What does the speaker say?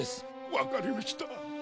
わかりました！